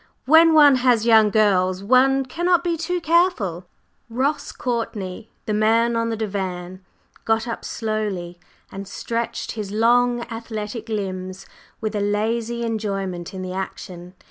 When one has young girls, one cannot be too careful." Ross Courtney, the man on the divan, got up slowly and stretched his long athletic limbs with a lazy enjoyment in the action.